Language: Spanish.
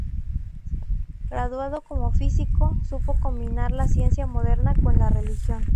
Graduado como físico, supo combinar la ciencia moderna con la religión.